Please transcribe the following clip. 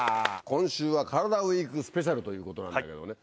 今週はカラダＷＥＥＫスペシャルということなんだけどね。